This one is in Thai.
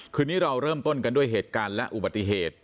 คืนนี้เราเริ่มต้นกันด้วยเหตุการณ์และอุบัติเหตุ